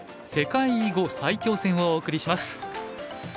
世界囲碁最強戦」をお送りします。